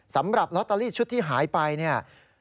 สำหรับลอตเตอรี่ชุดที่หายไปเนี่ย